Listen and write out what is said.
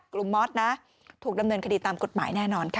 มอสนะถูกดำเนินคดีตามกฎหมายแน่นอนค่ะ